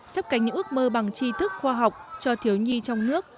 chấp cảnh những ước mơ bằng tri thức khoa học cho thiếu nhi trong nước